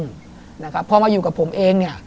เพราะมาอยู่กับผมเอง